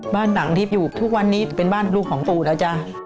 บ้านหลังที่อยู่ทุกวันนี้เป็นบ้านลูกของปู่แล้วจ้ะ